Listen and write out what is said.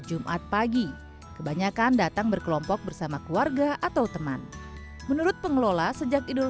jumat pagi kebanyakan datang berkelompok bersama keluarga atau teman menurut pengelola sejak idul